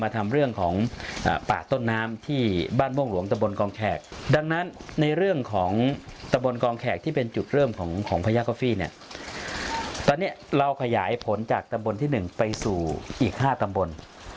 ตอนนี้เราขยายผลจากตำบลที่๑ไปสู่อีก๕ตำบล